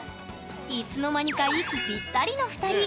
いつの間にか息ぴったりの２人。